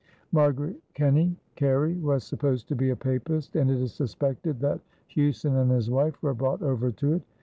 Margaret Keny [Kerry] was supposed to be a papist, and it is suspected that Huson and his wife were brought over to it.